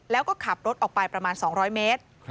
แล้วก็ขับรถออกไปประมาณ๒๐๐เมตร